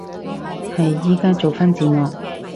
係，依家做返字幕